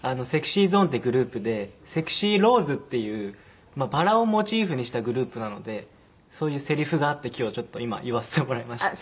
ＳｅｘｙＺｏｎｅっていうグループでセクシーローズっていうバラをモチーフにしたグループなのでそういうセリフがあって今日はちょっと今言わせてもらいました。